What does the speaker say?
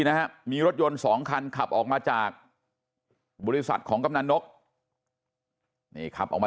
นะฮะมีรถยนต์สองคันขับออกมาจากบริษัทของกำนันนกนี่ขับออกมา